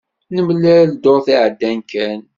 Nemlal dduṛt iɛeddan kan.